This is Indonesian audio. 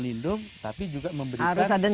lindung tapi juga memberikan